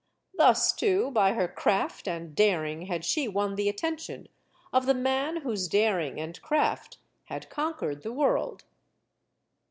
Thus, too, by her craft and daring, had she won the attention of the man whose daring and craft had conquered the world.